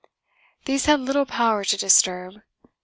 These had little power to disturb.